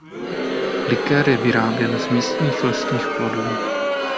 Likér je vyráběn z místních lesních plodů.